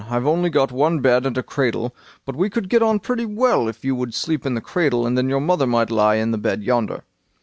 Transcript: I've only got one bed and a cradle; but we could get on pretty well if you would sleep in the cradle, and then your mother might lie in the bed yonder."